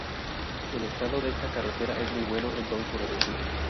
El estado de esta carretera es muy bueno en todo su recorrido.